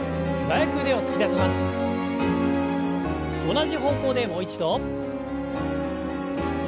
同じ方向でもう一度。